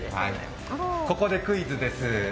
ここでクイズです。